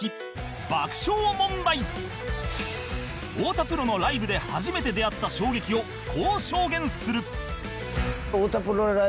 太田プロのライブで初めて出会った衝撃をこう証言する